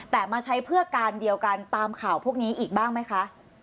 แต่มาใช้เพื่อการเดียวกันตามข่าวพวกนี้อีกบ้างไหมคะ